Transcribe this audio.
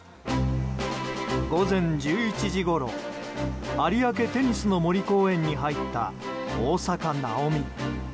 午前１１時ごろ有明テニスの森公園に入った大坂なおみ。